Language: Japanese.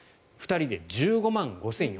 ２人で１５万５４００円。